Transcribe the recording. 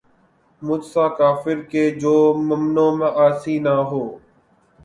مجھ سا کافر کہ جو ممنون معاصی نہ ہوا